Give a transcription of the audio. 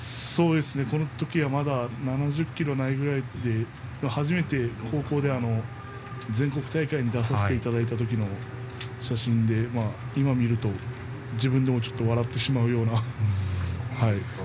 この時は、まだ７０ｋｇないぐらいで初めて高校で全国大会に出させていただいた時の写真で今、見ると自分でもちょっと笑ってしまいます。